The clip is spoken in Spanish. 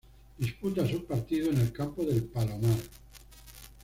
Disputa sus partidos en el campo del Palomar.